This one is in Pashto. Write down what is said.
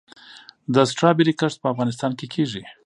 د سټرابیري کښت په افغانستان کې کیږي؟